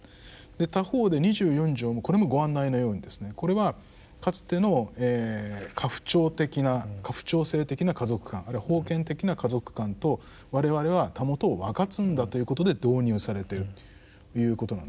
他方で二十四条もこれもご案内のようにですねこれはかつての家父長的な家父長制的な家族観あるいは封建的な家族観と我々はたもとを分かつんだということで導入されてるいうことなんですね。